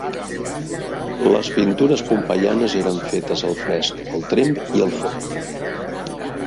Les pintures pompeianes eren fetes al fresc, al tremp i al foc.